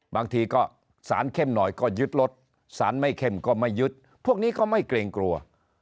บางทีก็สารเข้มหน่อยก็ยึดรถสารไม่เข้มก็ไม่ยึดพวกนี้ก็ไม่เกรงกลัว